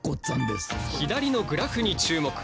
左のグラフに注目！